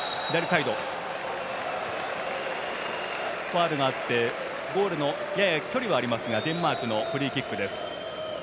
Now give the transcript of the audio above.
ファウルがあってゴールまでやや距離はありますがデンマークのフリーキックです。